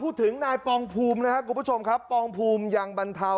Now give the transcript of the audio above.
พูดถึงนายปองภูมินายบุคคลปองภูมิยังบรรเทา